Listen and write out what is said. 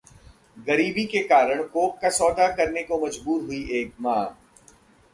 गरीबी के कारण ‘कोख का सौदा’ करने को मजबूर हुई एक मां